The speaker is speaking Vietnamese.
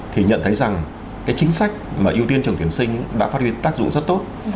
thì nhận thấy rằng cái chính sách mà ưu tiên trong tuyển sinh đã phát huy tác dụng rất tốt